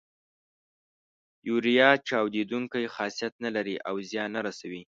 یوریا چاودیدونکی خاصیت نه لري او زیان نه رسوي.